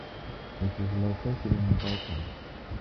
It is located in the Balkans.